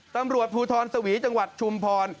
ตำรวจภูทรสวีจังหวัดชุมพร